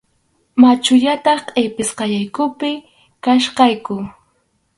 Machuñataq qʼipisqallaykupi kachkayku.